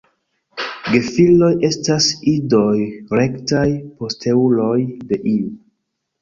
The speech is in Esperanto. Gefiloj estas idoj, rektaj posteuloj de iu.